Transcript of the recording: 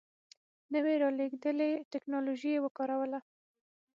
نوې رالېږدېدلې ټکنالوژي یې وکاروله.